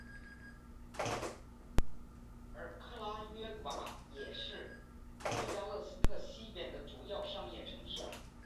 而克拉约瓦也是布加勒斯特西边的主要商业城市。